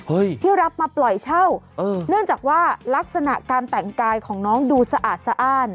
ที่รับมาปล่อยเช่าเออเนื่องจากว่าลักษณะการแต่งกายของน้องดูสะอาดสะอ้าน